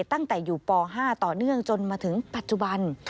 ตั้งแต่อยู่ป๕ต่อเนื่องจนมาถึงปัจจุบัน